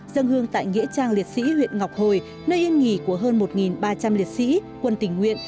dân hương tại nghĩa trang liệt sĩ huyện ngọc hồi nơi yên nghỉ của hơn một ba trăm linh liệt sĩ quân tỉnh nguyện